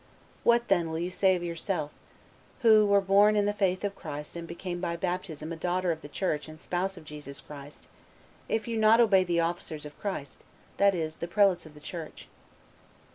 What then will you say of yourself, you who were born in the faith of Christ and became by baptism a daughter of the Church and spouse of Jesus Christ, if you obey not the officers of Christ, that is, the prelates of the Church?"